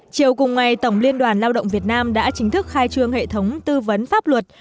chiều cùng ngày tổng liên đoàn lao động việt nam đã chính thức khai trương hệ thống tư vấn pháp luật